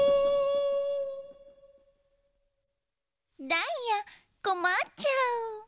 ダイヤこまっちゃう。